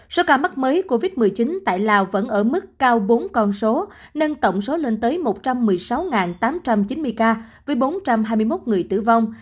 số ca mắc mới covid một mươi chín tại lào vẫn ở mức cao bốn con số nâng tổng số lên tới một trăm một mươi sáu tám trăm chín mươi ca với bốn trăm hai mươi một người tử vong